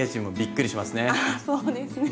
あそうですね。